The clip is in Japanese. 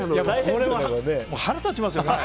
これは腹立ちますよね。